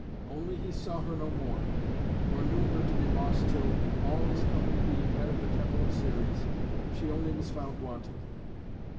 Only he saw her no more, nor knew her to be lost till, all his company being met at the temple of Ceres, she only was found wanting.